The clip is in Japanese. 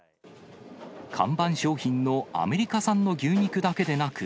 看板商品のアメリカ産の牛肉だけでなく、